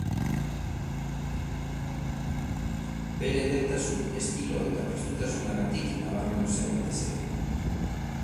Bere edertasun, estilo eta prestutasunagatik nabarmendu zen batez ere.